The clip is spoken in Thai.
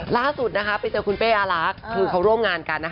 ล่าสุดไปเจอคุณเป้อารักษ์คือเขาร่วมงานกันนะคะ